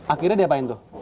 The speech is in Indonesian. akhirnya diapain tuh